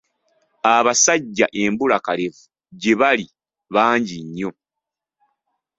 Abasajja embulakalevu gye bali bangi nnyo.